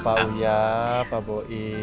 pak uya pak boim